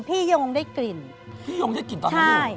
ชิอย่างปล่อยอะได้กินอเจมส์พี่ยอมได้กินตอนนั้นหรือใช่